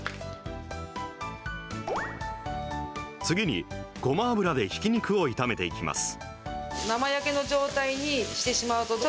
次に、ごま油でひき肉を炒めていきます。